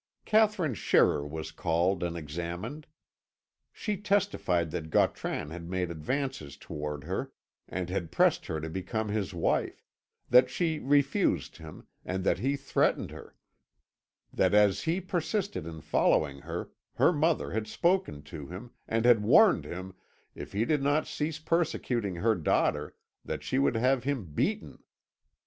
Katherine Scherrer was called and examined. She testified that Gautran had made advances towards her, and had pressed her to become his wife; that she refused him, and that he threatened her; that as he persisted in following her, her mother had spoken to him, and had warned him, if he did not cease persecuting her daughter, that she would have him beaten.